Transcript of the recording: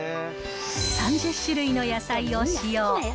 ３０種類の野菜を使用。